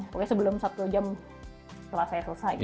mungkin sebelum satu jam setelah saya selesai gitu